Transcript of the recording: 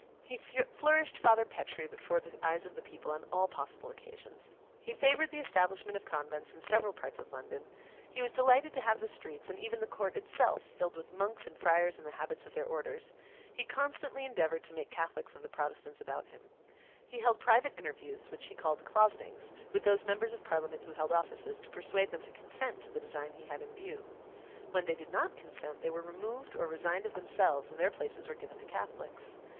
He flourished Father Petre before the eyes of the people on all possible occasions. He favoured the establishment of convents in several parts of London. He was delighted to have the streets, and even the court itself, filled with Monks and Friars in the habits of their orders. He constantly endeavoured to make Catholics of the Protestants about him. He held private interviews, which he called 'closetings,' with those Members of Parliament who held offices, to persuade them to consent to the design he had in view. When they did not consent, they were removed, or resigned of themselves, and their places were given to Catholics.